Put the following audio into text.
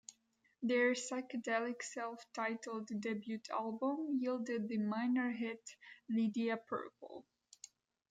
Their psychedelic self-titled debut album yielded the minor hit "Lydia Purple".